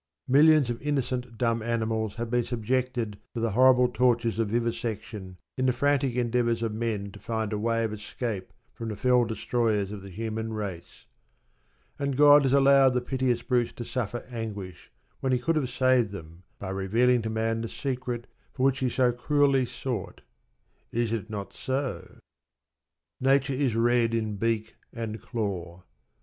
Millions of innocent dumb animals have been subjected to the horrible tortures of vivisection in the frantic endeavours of men to find a way of escape from the fell destroyers of the human race; and God has allowed the piteous brutes to suffer anguish, when He could have saved them by revealing to Man the secret for which he so cruelly sought. Is it not so? "Nature is red in beak and claw."